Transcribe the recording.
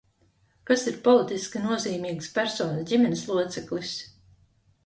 Kas ir politiski nozīmīgas personas ģimenes loceklis?